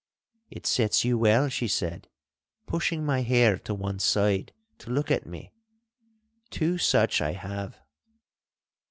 'It sets you well,' she said, pushing my hair to one side to look at me; 'two such I have.